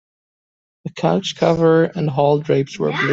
The couch cover and hall drapes were blue.